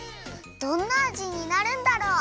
どんなあじになるんだろう？